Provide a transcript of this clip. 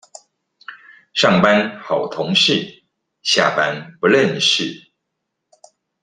上班好同事，下班不認識